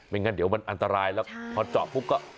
งั้นเดี๋ยวมันอันตรายแล้วพอเจาะปุ๊บก็